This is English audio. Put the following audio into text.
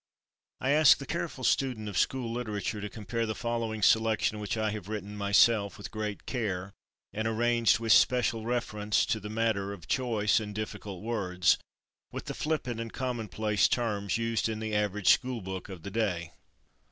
I ask the careful student of school literature to compare the following selection, which I have written myself with great care, and arranged with special reference to the matter of choice and difficult words, with the flippant and commonplace terms used in the average school book of to day.